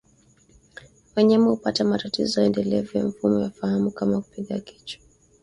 Wanyama hupata matatizo endelevu ya mfumo wa fahamu kama kupiga kichwa